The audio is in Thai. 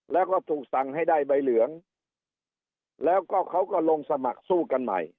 แล้วก็ถูกสั่งให้ได้ใบเหลืองแล้วก็เขาก็ลงสมัครสู้กันใหม่